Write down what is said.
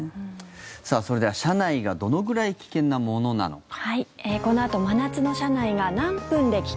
それでは、車内がどのぐらい危険なものなのか。